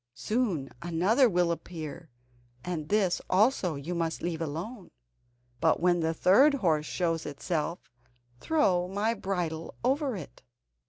Soon another will appear, and this also you must leave alone, but when the third horse shows itself, throw my bridle over it."